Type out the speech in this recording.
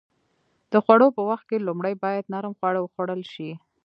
د خوړو په وخت کې لومړی باید نرم خواړه وخوړل شي.